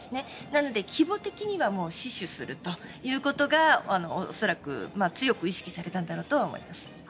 なので、規模的には死守するということが恐らく、強く意識されたんだろうと思います。